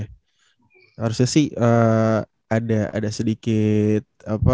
harusnya sih ada sedikit